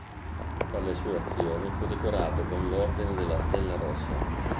Per le sue azioni fu decorato con l'Ordine della Stella Rossa.